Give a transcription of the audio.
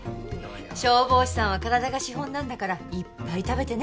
消防士さんは体が資本なんだからいっぱい食べてね。